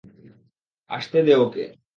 আসতে দে ওকে।